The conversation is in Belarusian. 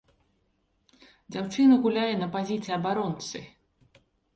Дзяўчына гуляе на пазіцыі абаронцы.